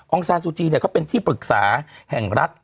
องซานซูจีเนี่ยก็เป็นที่ปรึกษาแห่งรัฐ